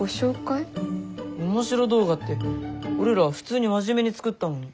オモシロ動画って俺ら普通に真面目に作ったのに。